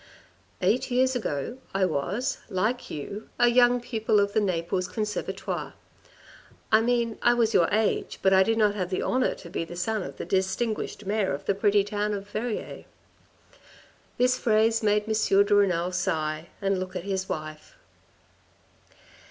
"Eight years ago I was, like you, a young pupil of the Naples Conservatoire. I mean I was your age, but I did not have the honour to be the son of the distinguished mayor of the pretty town of Verrieres." This phrase made M. de Renal sigh, and look at his wife.